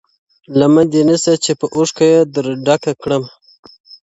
لمن دي نيسه چي په اوښكو يې در ډكه كړمه!